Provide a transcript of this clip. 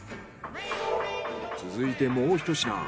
続いてもう一品。